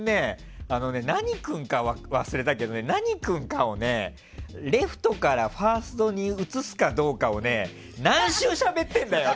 何君かは忘れたけど、何君かをレフトからファーストに移すかどうかを何週しゃべってんだよ！